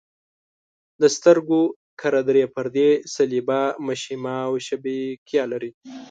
د سترګو کره درې پردې صلبیه، مشیمیه او شبکیه لري.